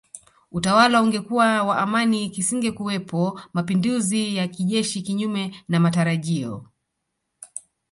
Utawala ungekuwa wa amani kusingekuwepo mapinduzi ya kijeshi Kinyume na matarajio